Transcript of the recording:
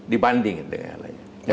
dibanding dengan lainnya